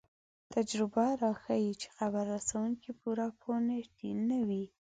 تجربه راښيي چې خبر رسوونکی پوره پوه نه وي.